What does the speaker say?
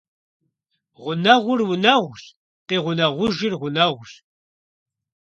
Гъунэгъур унэгъущ, къигъунэгъужыр гъунэгъущ.